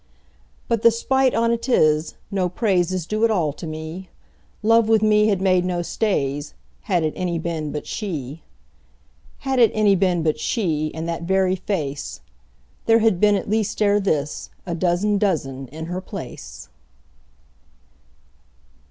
But the spite on 't is, no praiseIs due at all to me:Love with me had made no stays, Had it any been but she. Had it any been but she, And that very face, There had been at least ere thisA dozen dozen in her place.